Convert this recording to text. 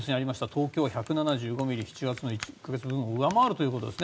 東京は１７５ミリで７月の１か月分の雨量を上回るということです。